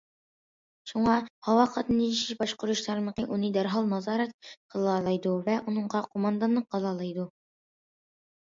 شۇڭا، ھاۋا قاتنىشىنى باشقۇرۇش تارمىقى ئۇنى دەرھال نازارەت قىلالايدۇ ۋە ئۇنىڭغا قوماندانلىق قىلالايدۇ.